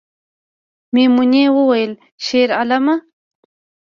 میمونۍ وویل شیرعالمه